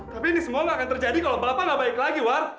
tapi ini semua nggak akan terjadi kalau bapak nggak baik lagi war